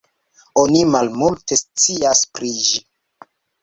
Oni malmulte scias pri ĝi.